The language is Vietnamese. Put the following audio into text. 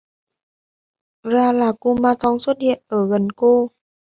ra là kumanthong xuất hiện ở gần cô